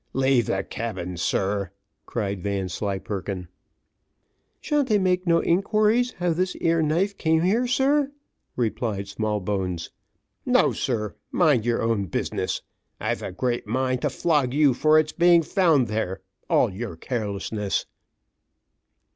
"Leave the cabin, sir," cried Vanslyperken. "Sha'n't I make no inquiries how this ere knife came there, sir?" replied Smallbones. "No, sir, mind your own business. I've a great mind to flog you for its being found there all your carelessness."